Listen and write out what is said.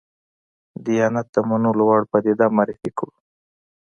دیانت د منلو وړ پدیده معرفي کړو.